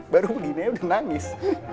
baru muli nih aja udah nangis